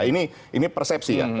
ini persepsi ya